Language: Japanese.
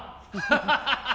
ハハハハハ！